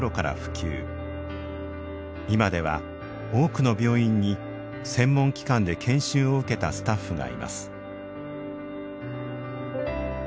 今では多くの病院に専門機関で研修を受けたスタッフがいます。